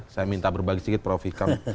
saya minta berbagi sedikit prof ikam